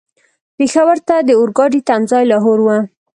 پېښور ته د اورګاډي تم ځای لاهور و.